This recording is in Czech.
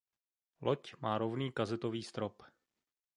Loď má rovný kazetový strop.